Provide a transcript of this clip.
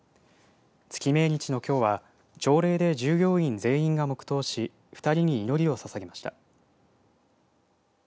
月命日のきょうは朝礼で従業員全員が黙とうし２人に祈りをささげました。